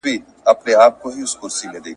بشري منابع څه اهميت لري؟